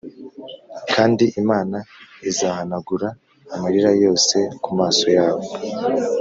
kandi imana izahanagura amarira yose ku maso yabo